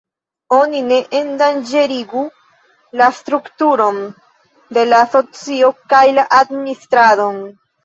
Oni ne endanĝerigu la strukturon de la asocio kaj la administradon.